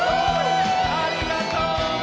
ありがとう！